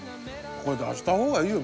これ出した方がいいよ